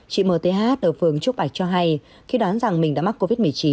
chị mth ở phường trúc bạch cho hay khi đoán rằng mình đã mắc covid một mươi chín